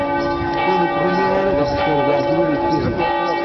Ur nettɣimi ara akked trebbaɛ n wid yettihin.